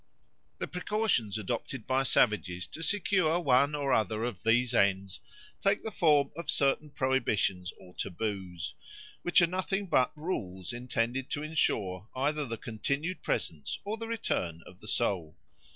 The precautions adopted by savages to secure one or other of these ends take the form of certain prohibitions or taboos, which are nothing but rules intended to ensure either the continued presence or the return of the soul.